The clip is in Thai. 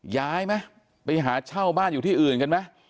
ย้ายไหมไปหาเช่าบ้านอยู่ที่อื่นกันไหม